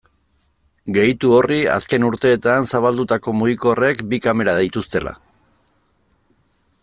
Gehitu horri azken urteetan zabaldutako mugikorrek bi kamera dituztela.